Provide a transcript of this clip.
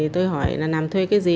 tôi hỏi là làm thuê cái gì